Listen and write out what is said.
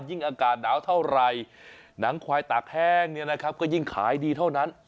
อากาศหนาวเท่าไหร่หนังควายตากแห้งเนี่ยนะครับก็ยิ่งขายดีเท่านั้น